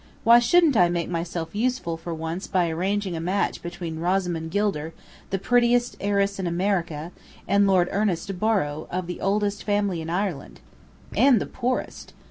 Why shouldn't I make myself useful for once by arranging a match between Rosamond Gilder, the prettiest heiress in America, and Lord Ernest Borrow, of the oldest family in Ireland?" "And the poorest."